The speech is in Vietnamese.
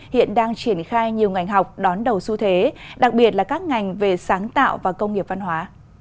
hiện đang triển khai nhiều ngành học đón đầu xu thế đặc biệt là các ngành về sáng tạo và công nghiệp văn hóa